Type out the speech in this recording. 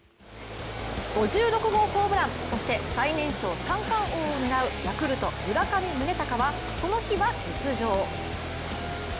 ５６号ホームラン、そして最年少三冠王を狙うヤクルト・村上宗隆はこの日は欠場。